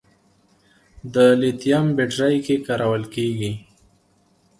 د لیتیم بیټرۍ کې کارول کېږي.